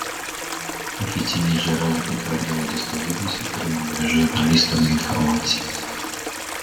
Офіційні джерела підтвердили достовірність отриманої журналістами інформації